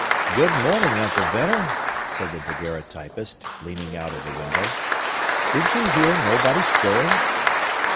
"Good morning, Uncle Venner!" said the daguerreotypist, leaning out of the window. "Do you hear nobody stirring?"